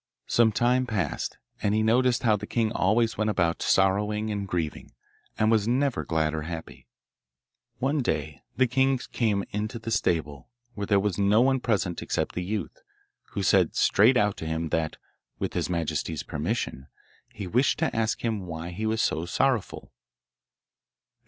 Some time passed, and he noticed how the king always went about sorrowing and grieving, and was never glad or happy. One day the king came into the stable, where there was no one present except the youth, who said straight out to him that, with his majesty's permission, he wished to ask him why he was so sorrowful.